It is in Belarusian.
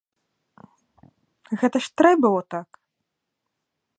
Гэта ж трэ было так?!.